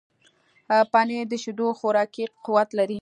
پنېر د شیدو خوراکي قوت لري.